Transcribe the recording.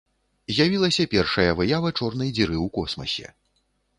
З'явілася першая выява чорнай дзіры ў космасе.